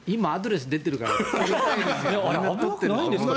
今アドレスが出ているから。